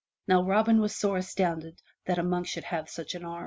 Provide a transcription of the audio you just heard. Now Robin was sore astounded that a monk should have such an arm.